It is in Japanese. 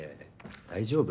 大丈夫？